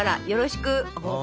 よろしく！！」。